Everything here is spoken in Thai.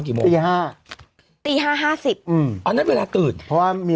โมงตีห้าตีห้าห้าสิบอืมอันนั้นเวลาตื่นเพราะว่ามี